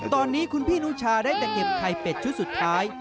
ตอนนี้คุณพี่นุชาได้แต่เก็บไข่เป็ดชุดสุดท้าย